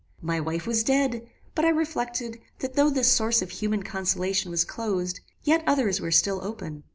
My wife was dead; but I reflected, that though this source of human consolation was closed, yet others were still open.